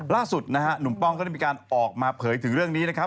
ล่าสุดนะฮะหนุ่มป้องก็ได้มีการออกมาเผยถึงเรื่องนี้นะครับ